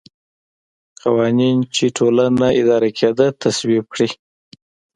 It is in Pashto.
قوانین چې ټولنه اداره کېده تصویب کړي.